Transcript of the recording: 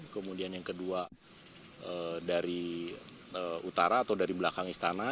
kemudian yang kedua dari utara atau dari belakang istana